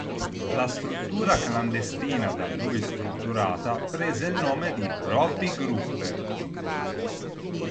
La struttura clandestina da lui strutturata prese il nome di "Robby Gruppe".